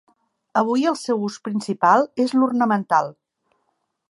Avui el seu ús principal és l'ornamental.